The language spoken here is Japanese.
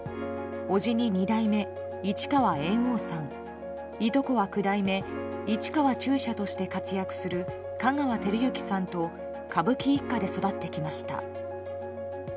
伯父に二代目市川猿翁さんいとこは九代目市川中車として活躍する香川照之さんと歌舞伎一家で育ってきました。